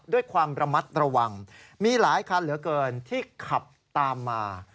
ด้วยความระมัดระวังมีหลายคันเหลือเกินที่ขับตามมา